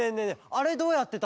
あれどうやってたの？